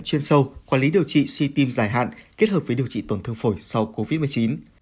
chuyên sâu quản lý điều trị suy tim dài hạn kết hợp với điều trị tổn thương phổi sau covid một mươi chín